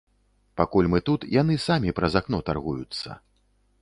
Пакуль мы тут, яны самі праз акно таргуюцца.